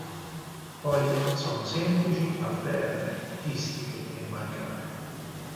Foglie sono semplici, alterne, distiche e marcate.